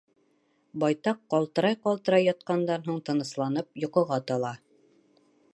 Байтаҡ ҡалтырай-ҡалтырай ятҡандан һуң, тынысланып, йоҡоға тала.